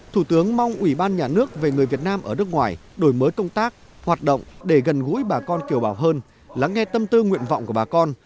thủ tướng mong ủy ban nhà nước về người việt nam ở nước ngoài đổi mới công tác hoạt động để gần gũi bà con kiều bào hơn lắng nghe tâm tư nguyện vọng của bà con